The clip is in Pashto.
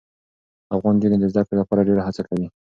افغان نجونې د زده کړې لپاره ډېره هڅه کوي.